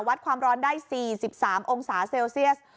วัดความร้อนได้๔๓องศาเซลเซียส